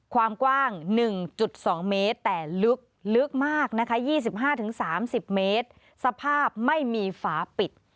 ความกว้าง๑๒เมตรแต่ลึกมากนะคะ๒๕๓๐เมตรสภาพไม่มีฝาปิด